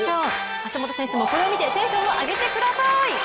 橋本選手もこれを見てテンションを上げてください！